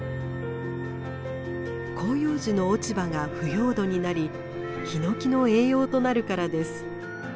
広葉樹の落ち葉が腐葉土になりヒノキの栄養となるからです。